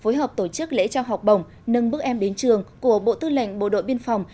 phối hợp tổ chức lễ trao học bổng nâng bước em đến trường của bộ tư lệnh bộ đội biên phòng